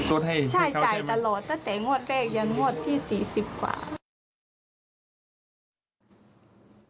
จดให้ให้เขาใช้ไหมใช่จ่ายตลอดแต่งวดเลขยังงวดที่๔๐กว่า